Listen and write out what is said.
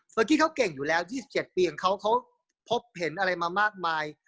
กี้เขาเก่งอยู่แล้ว๒๗ปีของเขาเขาพบเห็นอะไรมามากมาย